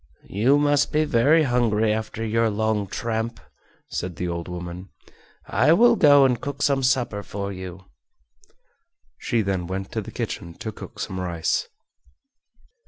"You must be hungry after your long tramp," said the old woman. "I will go and cook some supper for you." She then went to the kitchen to cook some rice.